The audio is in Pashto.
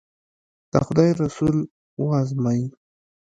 د خدای رسول و ازمایي.